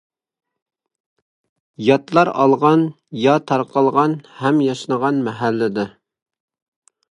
ياتلار ئالغان، يا تارقالغان ھەم ياشنىغان مەھەلدە.